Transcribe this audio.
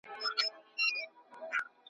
زه به اوږده موده کتاب ليکلی وم!.